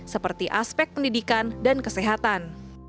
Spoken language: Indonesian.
seperti aspek pendidikan dan kesehatan